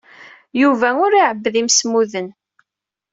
Yuba ur iɛebbed imsemmuden.